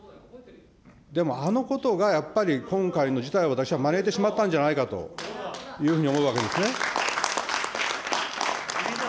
でも、あのことがやっぱり今回の事態を私は招いてしまったんじゃないかというふうに思うわけですね。